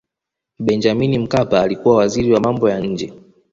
benjamini mkapa alikuwa waziri wa mambo ya nje